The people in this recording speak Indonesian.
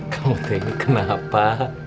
kamu tante neneng kenapa